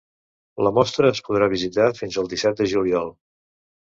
La mostra es podrà visitar fins el disset de juliol.